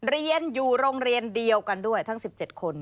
เรียนอยู่โรงเรียนเดียวกันด้วยทั้ง๑๗คน